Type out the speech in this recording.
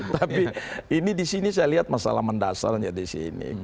tapi ini di sini saya lihat masalah mendasarnya di sini